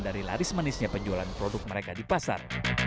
dari laris manisnya penjualan produk mereka di pasar